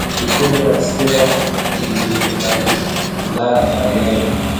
Mikunjo ya hasira ilimtambaa pajini